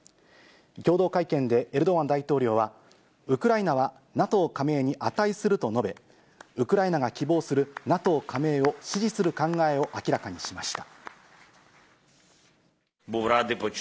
共同会見でエルドアン大統領は、ウクライナはＮＡＴＯ加盟に値すると述べ、ウクライナが希望するＮＡＴＯ加盟を支持する考えを明らかにしました。